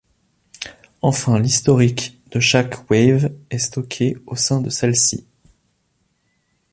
Enfin, l'historique de chaque wave est stocké au sein de celle-ci.